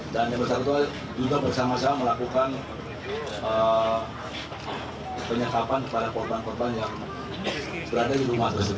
dan yang bersangkutan juga bersama sama melakukan penyekapan kepada korban korban yang berada di rumah tersebut